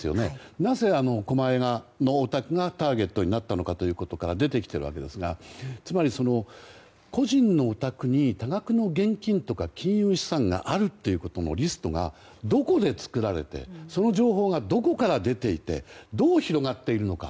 なぜ狛江のお宅がターゲットになったのかというところから出てきているわけですがつまり、個人のお宅に多額の現金とか金融資産があるというリストがどこで作られてその情報がどこから出ていてどう広がっているのか。